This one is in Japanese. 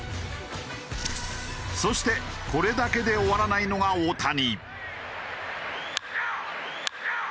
そしてこれだけで終わらないのが大谷。